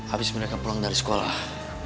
habis mereka pulang dari sekolah